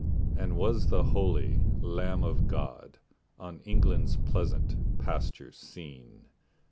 And was the holy Lamb of God On England's pleasant pastures seen?